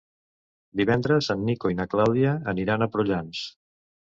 Divendres en Nico i na Clàudia aniran a Prullans.